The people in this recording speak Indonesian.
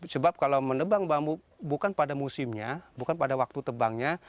sebab kalau menebang bambu bukan pada musimnya bukan pada waktu tebangnya